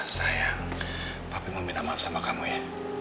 sayang papi mau minta maaf sama kamu ya